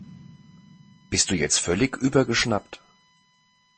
Bist du jetzt völlig übergeschnappt?